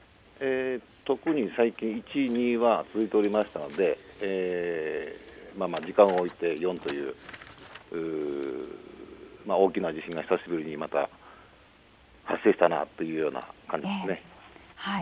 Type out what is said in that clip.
特に最近、１、２はずっと続いておりましたので時間を置いて４という大きな地震が久しぶりにまた発生したなというような感じです。